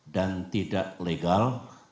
dan tidak legal